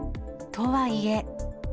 とはいえ。